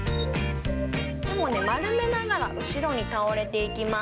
丸めながら、後ろに倒れていきます。